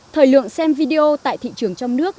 thời lượng xem video tại thị trường trong nước